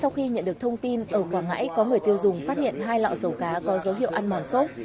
sau khi nhận được thông tin ở quảng ngãi có người tiêu dùng phát hiện hai lọ dầu cá có dấu hiệu ăn mòn sốt